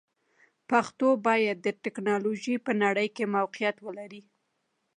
پښتو باید د ټکنالوژۍ په نړۍ کې موقعیت ولري.